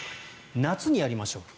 夏にやりましょう。